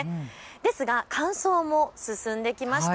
ですが乾燥も進んできました。